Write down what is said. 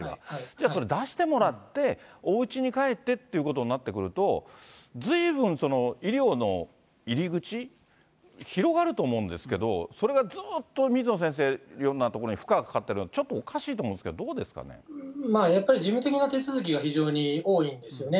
じゃあ、それを出してもらって、おうちに帰ってっていうことになってくると、ずいぶん医療の入り口、広がると思うんですけど、それがずっと水野先生、いろんな所に負荷がかかってるのは、ちょっとおかしいと思うんでやっぱり事務的な手続きが非常に多いんですよね。